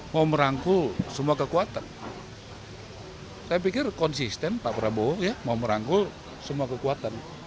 mau merangkul semua kekuatan saya pikir konsisten pak prabowo ya mau merangkul semua kekuatan